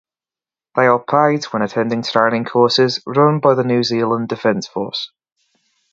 They are paid when attending training courses run by the New Zealand Defence Force.